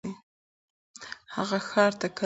هغه ښار ته کله ځي؟